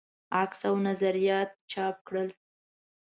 عکس او نظریات چاپ کړل.